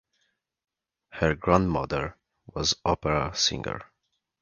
Her grandmother was an opera singer.